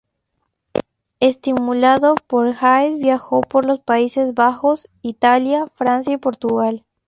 Estimulado por Haes viajó por los Países Bajos, Italia, Francia y Portugal.